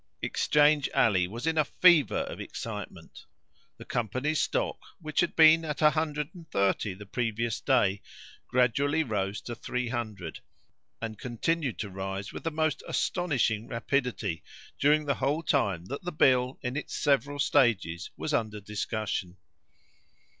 Exchange Alley was in a fever of excitement. The company's stock, which had been at a hundred and thirty the previous day, gradually rose to three hundred, and continued to rise with the most astonishing rapidity during the whole time that the bill in its several stages was under discussion.